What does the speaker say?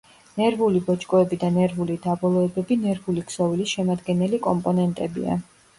ნერვული ბოჭკოები და ნერვული დაბოლოებები ნერვული ქსოვილის შემადგენელი კომპონენტებია.